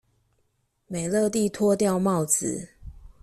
美樂蒂脫掉帽子